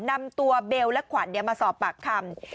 นำตัวเบลและขวัญมาสอบปากคำ